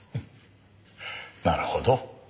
なるほど。